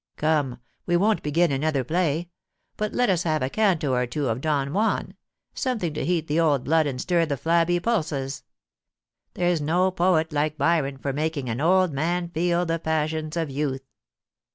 Come, we won't begin another play. Let us have a canto or two of "Don Juan" — something to heat the old blood and stir the flabby pulses. There's no poet like Byron for making an old man feel the passions of youth.'